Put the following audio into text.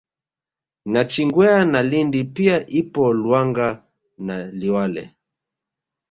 Nachingwea na Lindi pia ipo Luangwa na Liwale